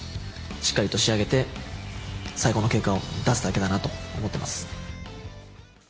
しっかりと仕上げて、最高の結果を出すだけだなと思ってます。